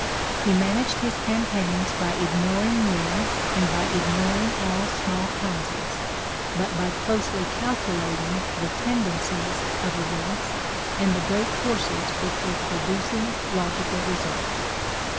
" He managed his campaigns by ignoring men and by ignoring all small causes, but by closely calculating the tendencies of events and the great forces which were producing logical results.